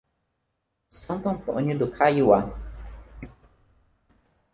Santo Antônio do Caiuá